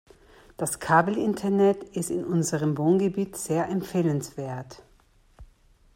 Das Kabelinternet ist in unserem Wohngebiet sehr empfehlenswert.